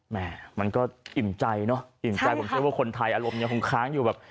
แม่มันก็อิ่มใจเนอะอิ่มใจผมเชื่อว่าคนไทยอารมณ์ยังคงค้างอยู่แบบ